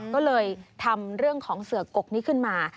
ก็เลยทำเรื่องของเสือกกนี้ขึ้นมา